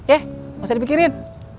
eh masa dipikirin